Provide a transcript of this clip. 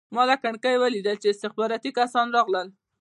ما له کړکۍ ولیدل چې استخباراتي کسان راغلل